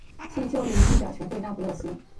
现效力于意甲球会那不勒斯。